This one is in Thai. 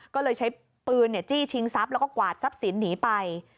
ก็เลยใช้ปืนจี้ชิงทรัพย์แล้วก็กวาดทรัพย์สินหนีไป